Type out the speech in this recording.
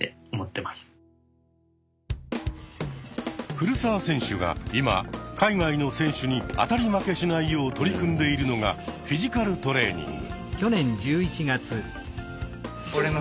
古澤選手が今海外の選手に当たり負けしないよう取り組んでいるのがフィジカルトレーニング。